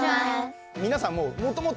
皆さんもう元々。